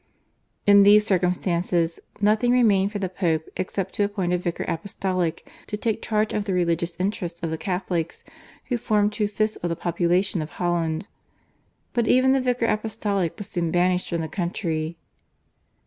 In these circumstances nothing remained for the Pope except to appoint a vicar apostolic to take charge of the religious interests of the Catholics, who formed two fifths of the population of Holland, but even the vicar apostolic was soon banished from the country.